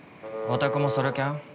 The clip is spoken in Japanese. おたくもソロキャン？